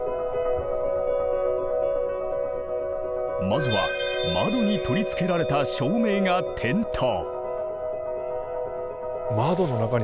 まずは窓に取り付けられた照明が点灯。